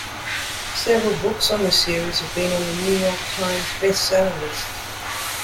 Several books on the series have been on the "New York Times" bestseller list.